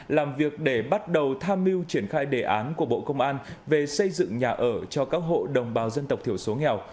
làm việc để bắt đầu tham mưu triển khai đề án của bộ công an về xây dựng nhà ở cho các hộ đồng bào dân tộc thiểu số nghèo